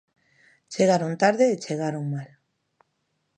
Chegaron tarde e chegaron mal.